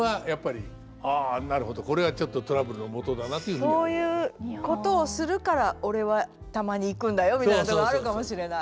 「そういうことをするから俺はたまに行くんだよ」みたいなことがあるかもしれない。